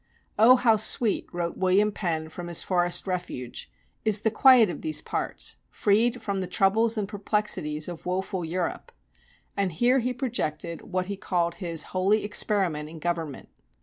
"Oh, how sweet," wrote William Penn, from his forest refuge, "is the quiet of these parts, freed from the troubles and perplexities of woeful Europe." And here he projected what he called his "Holy Experiment in Government."